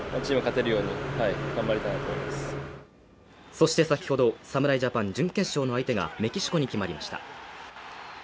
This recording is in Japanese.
そして先ほど侍ジャパン準決勝の相手がメキシコに決まりました。